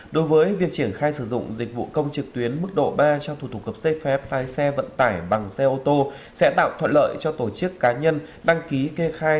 đối với việc triển khai sử dụng dịch vụ công trực tuyến mức độ ba trong thủ tục cấp giấy phép lái xe vận tải bằng xe ô tô sẽ tạo thuận lợi cho tổ chức cá nhân đăng ký kê khai